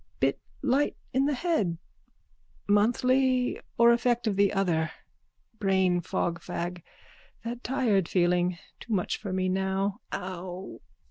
_ Bit light in the head. Monthly or effect of the other. Brainfogfag. That tired feeling. Too much for me now. Ow!